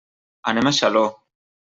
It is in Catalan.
Anem a Xaló.